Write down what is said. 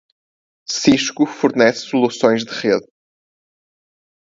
Cisco fornece soluções de rede.